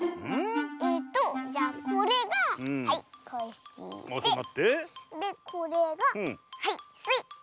えっとじゃこれがはいコッシーででこれがはいスイ。